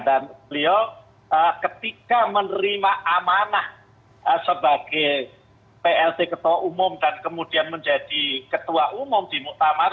dan beliau ketika menerima amanah sebagai plt ketua umum dan kemudian menjadi ketua umum di muqtamar